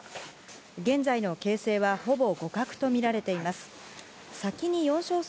現在の形勢はほぼ互角と見られています。